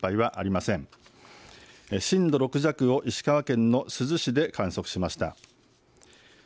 震度６弱を石川県の珠洲市で観測しました。